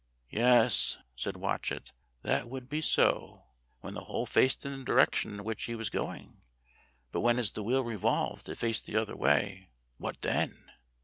"Yes," said Watchet, "that would be so, when the hole faced in the direction in which he was going; but when as the wheel revolved it faced the other way, what then